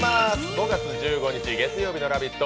５月１５日月曜日の「ラヴィット！」